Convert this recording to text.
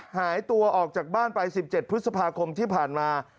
หายตัวออกจากบ้านไป๑๗พฤษภาคมที่ผ่านมา